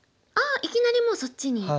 ああいきなりもうそっちに。